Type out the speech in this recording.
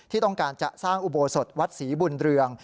ที่ต้องการจะสร้างอุโบสถวัดศรีบุญเรือง